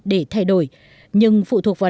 để thay đổi nhưng phụ thuộc vào